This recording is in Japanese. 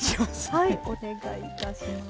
はいお願いいたします。